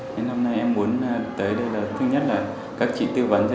thế nên hôm nay em muốn tới đây là thứ nhất là các chị tư vấn cho em